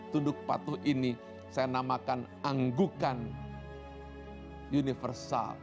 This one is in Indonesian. tunduk patuh ini saya namakan anggukan universal